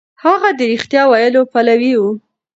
هغه د رښتيا ويلو پلوی و.